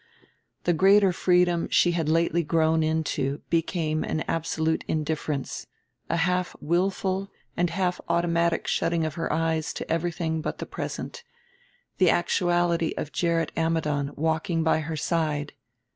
The greater freedom she had lately grown into became an absolute indifference, a half willful and half automatic shutting of her eyes to everything but the present, the actuality of Gerrit Ammidon walking by her side.